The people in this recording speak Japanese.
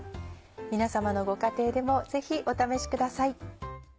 皆さまのご家庭でもぜひお試しください。